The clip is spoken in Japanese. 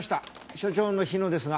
所長の日野ですが。